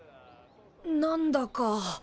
なんだか。